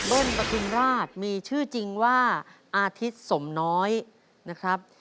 ประทุมราชมีชื่อจริงว่าอาทิตย์สมน้อยนะครับ